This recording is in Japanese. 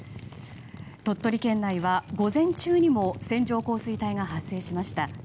鳥取県内は、午前中にも線状降水帯が発生しました。